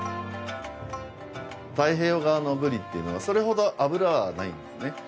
太平洋側のブリっていうのはそれほど脂はないんですね。